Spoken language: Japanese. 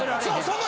そう！